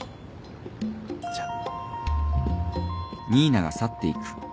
じゃあ。